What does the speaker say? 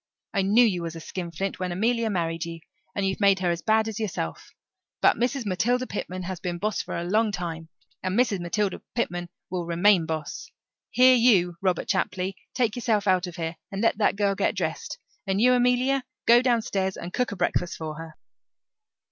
I knew you was a skinflint when Amelia married you, and you've made her as bad as yourself. But Mrs. Matilda Pitman has been boss for a long time, and Mrs. Matilda Pitman will remain boss. Here you, Robert Chapley, take yourself out of here and let that girl get dressed. And you, Amelia, go downstairs and cook a breakfast for her."